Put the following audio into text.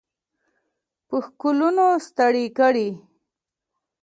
په ښکلونو ستړي کړي